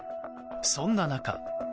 そんな中。